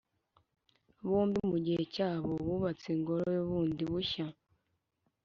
Bombi mu gihe cyabo, bubatse Ingoro bundi bushya,